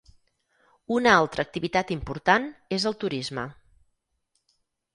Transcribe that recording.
Una altra activitat important és el turisme.